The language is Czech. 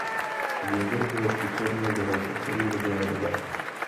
Jezero bylo vytvořeno během poslední doby ledové.